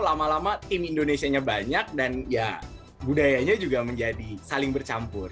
lama lama tim indonesia nya banyak dan ya budayanya juga menjadi saling bercampur